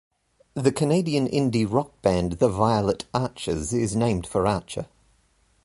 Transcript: The Canadian indie rock band The Violet Archers is named for Archer.